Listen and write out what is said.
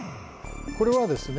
これはですね